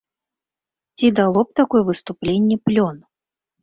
Ці дало б такое выступленне плён?